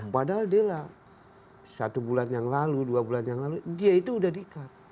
padahal dela satu bulan yang lalu dua bulan yang lalu dia itu sudah di cut